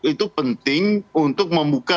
itu penting untuk membuka